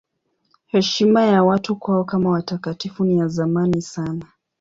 Heshima ya watu kwao kama watakatifu ni ya zamani sana.